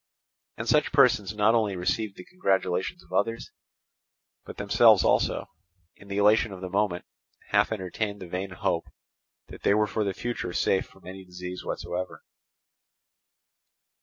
And such persons not only received the congratulations of others, but themselves also, in the elation of the moment, half entertained the vain hope that they were for the future safe from any disease whatsoever.